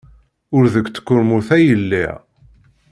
Ur deg tkurmut ay lliɣ.